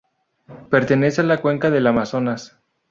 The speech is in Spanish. Pertenece a la cuenca del Amazonas.